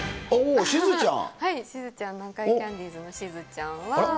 しずちゃん、南海キャンディーズのしずちゃんは。